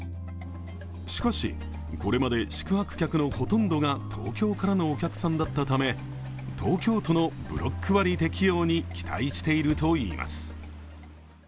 しかし、これまで宿泊客のほとんどが東京からのお客さんだったため東京都のブロック割適用に期待しているといいます。